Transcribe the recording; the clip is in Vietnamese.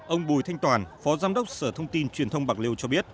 ông bùi thanh toàn phó giám đốc sở thông tin truyền thông bạc liêu cho biết